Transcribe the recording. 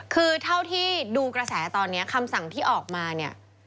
คือเท่าที่ดูกระแสตอนนี้คำสั่งที่ออกมาเนี่ย